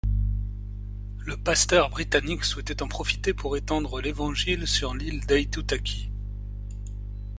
Le pasteur britannique souhaitait en profiter pour étendre l'Évangile sur l'île d'Aitutaki.